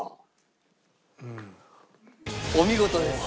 お見事です。